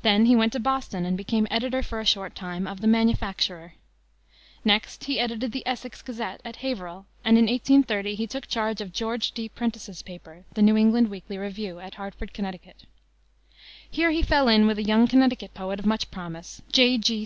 Then he went to Boston, and became editor for a short time of the Manufacturer. Next he edited the Essex Gazette, at Haverhill, and in 1830 he took charge of George D. Prentice's paper, the New England Weekly Review, at Hartford, Conn. Here he fell in with a young Connecticut poet of much promise, J.